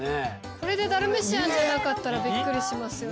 これでダルメシアンじゃなかったらビックリしますよね。